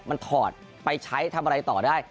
มันถอดไปใช้ทำอะไรต่อได้